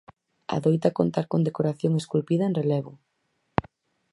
Adoita contar con decoración esculpida en relevo.